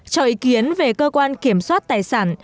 trời kiến về cơ quan kiểm soát tài sản